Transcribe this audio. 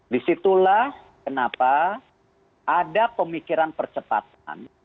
disitulah kenapa ada pemikiran percepatan